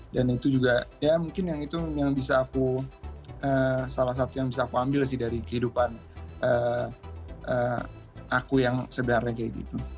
dan itu juga ya mungkin yang itu yang bisa aku salah satu yang bisa aku ambil sih dari kehidupan aku yang sebenarnya kayak gitu